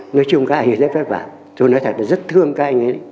nói chung các anh ấy rất vất vả tôi nói thật là rất thương các anh ấy